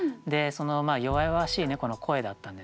弱々しい猫の声だったんでしょうね。